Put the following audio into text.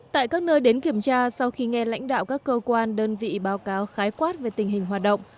tại các nơi đến kiểm tra sau khi nghe lãnh đạo các cơ quan đơn vị báo cáo khái quát về tình hình hoạt động